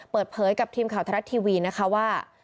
เปิดเผยกับทีมข่าวทรัฐทีวีนะคะว่า